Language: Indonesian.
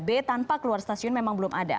b tanpa keluar stasiun memang belum ada